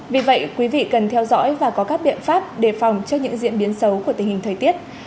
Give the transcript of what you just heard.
vì vậy quý vị cần theo dõi và có các biện pháp đề phòng trước những diễn biến xấu của tình hình thời tiết